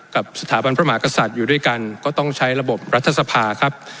กับสถาบันพระมหากษัตริย์อยู่ด้วยกันก็ต้องใช้ระบบรัฐสภาครับ